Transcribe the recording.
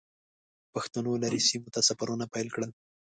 پښتنو لرې سیمو ته سفرونه پیل کړل.